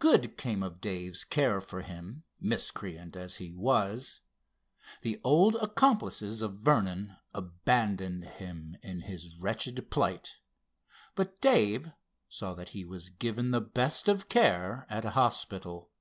Good came of Dave's care for him, miscreant as he was. The old accomplices of Vernon abandoned him in his wretched plight, but Dave saw that he was given the best of care at a hospital.